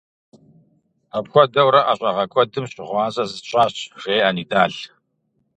- Апхуэдэурэ ӀэщӀагъэ куэдым щыгъуазэ зысщӀащ, - жеӀэ Нидал.